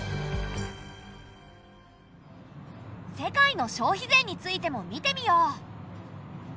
世界の消費税についても見てみよう。